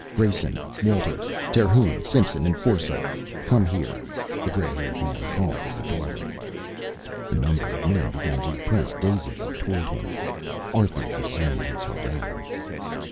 "Grayson, Walters, Terhune, Simpson, and Forsythe come here," the gray haired man called at a doorway. A number of men began to press dazedly toward him. Arthur resumed his harangue.